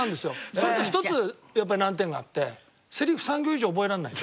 それと１つ難点があってセリフ３行以上覚えられない。